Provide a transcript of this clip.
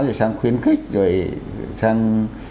rồi sang khuyến khích rồi sang